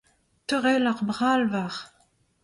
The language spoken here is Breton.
teurel ar brall war